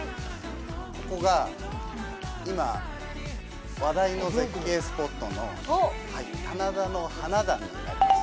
ここが今話題の絶景スポットの棚田の花段になります。